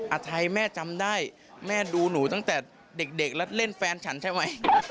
อาทัยแม่จำได้แม่ดูหนูตั้งแต่เด็กแล้วเล่นแฟนฉันใช่ไหม